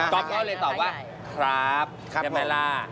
ก็เพราะเลยตอบว่าครับอย่ามาล่า